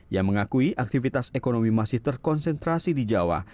yang mengakui aktivitas ekonomi masih terkonsentrasi di jawa